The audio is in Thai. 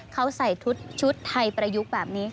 เขาใส่ชุดไทยประยุกต์แบบนี้